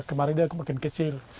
kemarin dia makin kecil